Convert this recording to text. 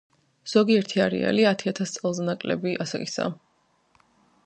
ზოგიერთი არეალი ათი ათას წელზე ნაკლები ასაკისაა.